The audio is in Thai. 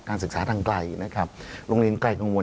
ศึกษาทางไกลนะครับโรงเรียนไกลกังวล